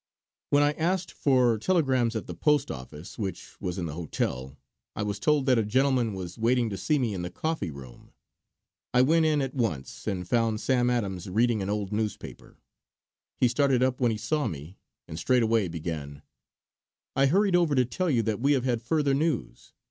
When I asked for telegrams at the post office, which was in the hotel, I was told that a gentleman was waiting to see me in the coffee room. I went in at once and found Sam Adams reading an old newspaper. He started up when he saw me and straightway began: "I hurried over to tell you that we have had further news.